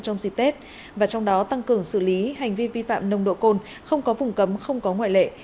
trong dịp tết và trong đó tăng cường xử lý hành vi vi phạm nồng độ cồn không có vùng cấm không có ngoại lệ